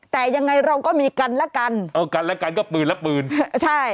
แต่ยังไงเราก็มีกันและกันเออกันและกันก็ปืนและปืนใช่